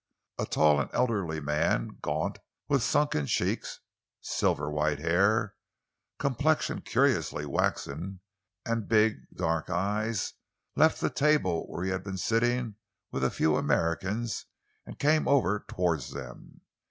A tall and elderly man, gaunt, with sunken cheeks, silver white hair, complexion curiously waxen, and big, dark eyes, left the table where he had been sitting with a few Americans and came over towards them.